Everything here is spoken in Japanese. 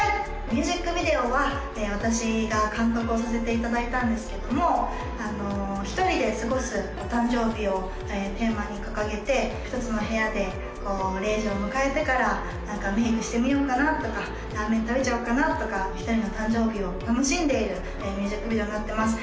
ミュージックビデオは私が監督をさせていただいたんですけども１人で過ごすお誕生日をテーマに掲げて一つの部屋でこう０時を迎えてから何かメークしてみようかなとかラーメン食べちゃおうかなとか１人の誕生日を楽しんでいるミュージックビデオになってます